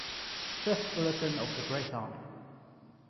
Fifth bulletin of the Great Army.